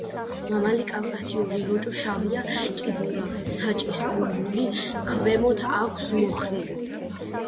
მამალი კავკასიური როჭო შავია, კიდურა საჭის ბუმბული ქვემოთ აქვს მოხრილი.